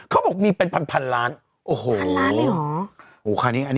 เขาบอกว่ามีเป็นพันพันล้านพันล้านนี่หรอ